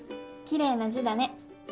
きれいな字だね